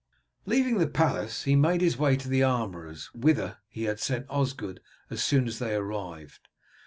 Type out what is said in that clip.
Leaving the palace he made his way to the armourer's, whither he had sent Osgod as soon as they arrived.